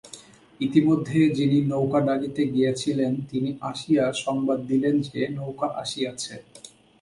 ইতোমধ্যে যিনি নৌকা ডাকিতে গিয়াছিলেন, তিনি আসিয়া সংবাদ দিলেন যে নৌকা আসিয়াছে।